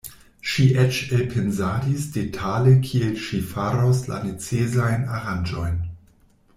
Ŝi eĉ elpensadis detale kiel ŝi faros la necesajn aranĝojn.